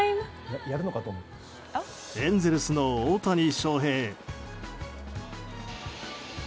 エンゼルスの大谷翔平。